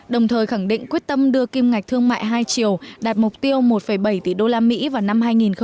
đồng thời khẳng định quyết tâm đưa kim ngạch thương mại hai triệu đạt mục tiêu một bảy tỷ usd vào năm hai nghìn hai mươi